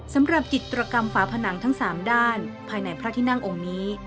สำหรับจิตรกรรมฝาผนังทั้ง๓ด้านภายในพระที่นั่งองค์นี้